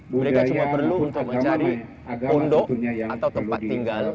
mereka cuma perlu untuk mencari pondok atau tempat tinggal